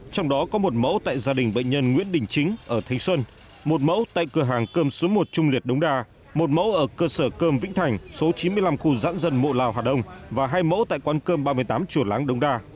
trong đó có một mẫu tại gia đình bệnh nhân nguyễn đình chính ở thanh xuân một mẫu tại cửa hàng cơm số một trung liệt đống đa một mẫu ở cơ sở cơm vĩnh thành số chín mươi năm khu giãn dân mộ lào hà đông và hai mẫu tại quán cơm ba mươi tám chùa láng đống đa